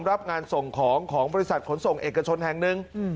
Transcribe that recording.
รับงานส่งของของบริษัทขนส่งเอกชนแห่งหนึ่ง